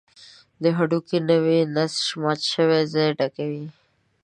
د هډوکي نوی نسج مات شوی ځای ډکوي.